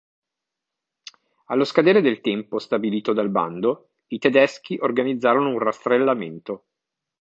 Allo scadere del tempo stabilito dal bando, i tedeschi organizzarono un rastrellamento.